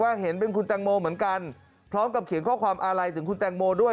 เห็นเป็นคุณแตงโมเหมือนกันพร้อมกับเขียนข้อความอาลัยถึงคุณแตงโมด้วย